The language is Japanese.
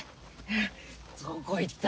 どこ行った？